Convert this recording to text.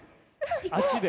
あっちで。